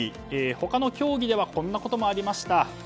他の競技ではこんなこともありました。